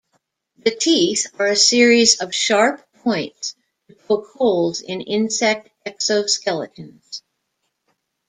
The teeth are a series of sharp points to poke holes in insect exoskeletons.